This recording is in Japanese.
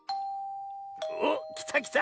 おっきたきた！